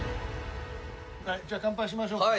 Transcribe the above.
はいじゃあ乾杯しましょうか。